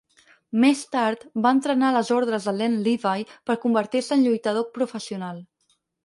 Més tard, va entrenar a les ordres de Len Levy per convertir-se en lluitador professional.